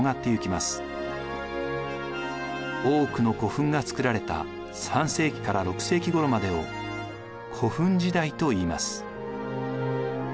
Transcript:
多くの古墳が造られた３世紀から６世紀ごろまでを古墳時代といいます。